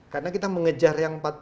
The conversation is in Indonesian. karena kita mengejar yang